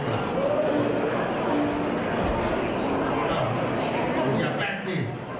อ้าวอย่าแปลกสิ